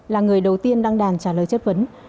là người đầu tiên đăng đàn trả lời chất vấn